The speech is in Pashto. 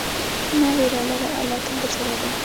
مه ویره لره، الله تل درسره دی.